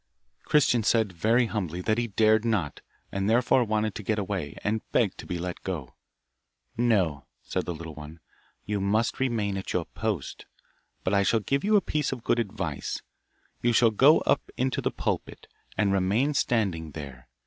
Christian said, very humbly, that he dared not, and therefore wanted to get away, and begged to be let go. 'No,' said the little one, 'you must remain at your post, but I shall give you a piece of good advice; you shall go up into the pulpit, and remain standing there.